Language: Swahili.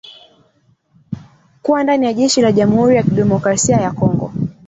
kuwa ndani ya jeshi la jamuhuri ya kidemokrasia ya Kongo